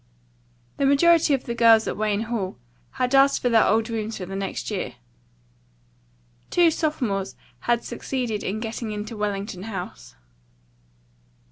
The majority of the girls at Wayne Hall had asked for their old rooms for the next year. Two sophomores had succeeded in getting into Wellington House.